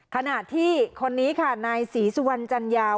ขณะที่คนนี้ค่ะนายศรีสุวรรณจัญญาว